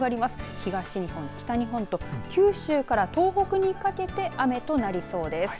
東日本、北日本と九州から東北にかけて雨となりそうです。